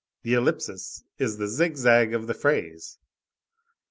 The ellipsis is the zig zag of the phrase.